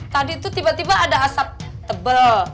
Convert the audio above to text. tadi tuh tiba tiba ada asap tebel